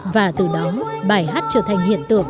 và từ đó bài hát trở thành hiện tượng